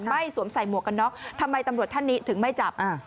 สวมใส่หมวกกันน็อกทำไมตำรวจท่านนี้ถึงไม่จับ